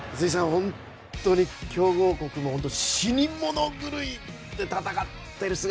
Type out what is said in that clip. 本当に強豪国も死に物狂いで戦ってる姿